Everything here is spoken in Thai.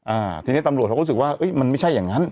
อ่าทีนี้ตำรวจเขาก็รู้สึกว่าเอ้ยมันไม่ใช่อย่างนั้น